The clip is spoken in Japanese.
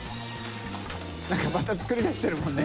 なんかまた作り出してるもんね。